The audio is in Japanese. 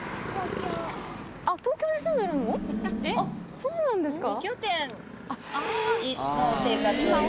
そうなんですか？